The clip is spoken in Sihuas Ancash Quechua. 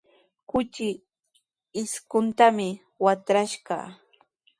Kuchi isquntami watrashqa.